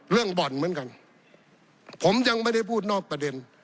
บ่อนเหมือนกันผมยังไม่ได้พูดนอกประเด็น